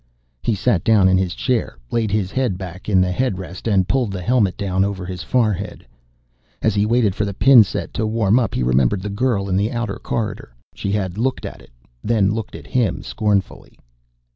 He sat down in his chair, laid his head back in the headrest and pulled the helmet down over his forehead. As he waited for the pin set to warm up, he remembered the girl in the outer corridor. She had looked at it, then looked at him scornfully.